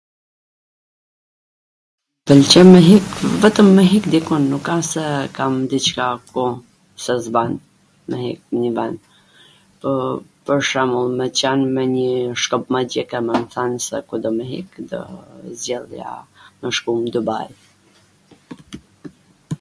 m pwlqen me hik, vetwm me hik diku, nuk a se kam diCka, po se s ban, me hik nw nj ven, po pwr shwmbull, me qwn me njw shkop magjik e me than se ku do me hik, do zgjedhja me shku n Dubaj.